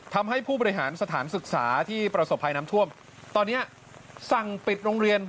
ทำให้ผู้บริหารสถานศึกษาที่ประสบภัยน้ำท่วมตอนนี้สั่งปิดโรงเรียน